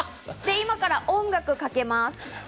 今から音楽かけます。